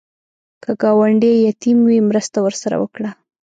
که ګاونډی یتیم وي، مرسته ورسره وکړه